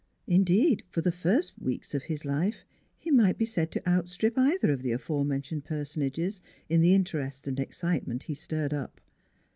Indeed, for the first weeks of his life he might be said to outstrip either of the afore mentioned personages in the interest and excite ment he stirred up.